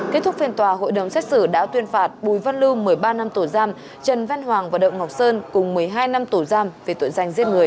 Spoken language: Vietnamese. kết thúc phiên tòa hội đồng xét xử đã tuyên phạt bùi văn lưu một mươi ba năm tù giam trần văn hoàng và đậu ngọc sơn cùng một mươi hai năm tù giam về tội danh giết người